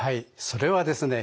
それはですね